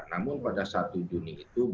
namun pada satu juni itu bung karno kan berdiri